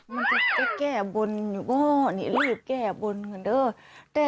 มันจะแก้บนอยู่ก็นี่ลืดแก้บนกันเถอะ